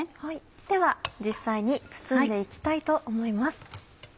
では実際に包んで行きたいと思います。